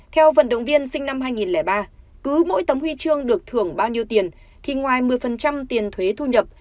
theo vận động viên sinh năm hai nghìn ba cứ mỗi tấm huy chương được thưởng bao nhiêu tiền thì ngoài một mươi tiền thuế thu nhập